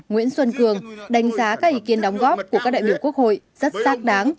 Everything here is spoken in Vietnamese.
nguyễn xuân cường đánh giá các ý kiến đóng góp của các đại biểu quốc hội rất xác đáng